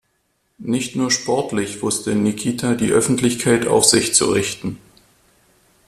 Nicht nur sportlich wusste Nikita die Öffentlichkeit auf sich zu richten.